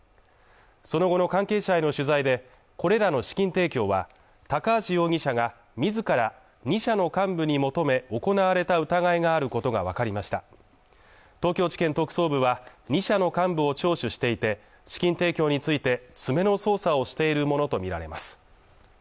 その後の関係者への取材でこれらの資金提供は高橋容疑者が自ら２社の幹部に求め行われた疑いがあることが分かりました東京地検特捜部は２社の幹部を聴取していて資金提供について詰めの捜査をしているものと見られます